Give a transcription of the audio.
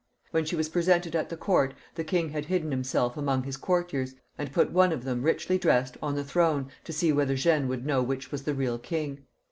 When she was. presented at the court, the king had hidden himself among his courtiers, and put one of them richly dressed on the throne, to see whether Jeanne would know which was the real king.